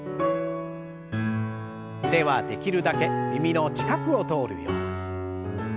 腕はできるだけ耳の近くを通るように。